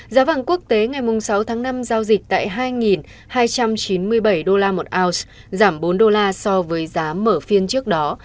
giá vàng quốc tế ngày sáu tháng năm giao dịch tại hai hai trăm chín mươi bảy đô la một ounce giảm bốn đô la so với giá mở phiên trước đó